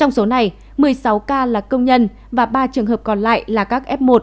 trong số này một mươi sáu ca là công nhân và ba trường hợp còn lại là các f một